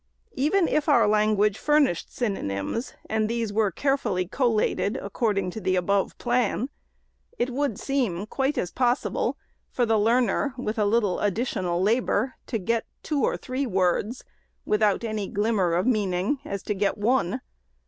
Even if our language 550 THE SECRETARY'S furnished synonymes, and these were carefully collated, according to the above plan, it would seem quite as possi ble for the learner, with a little additional labor, to get two or three words, without any glimmer of meaning, as to get one.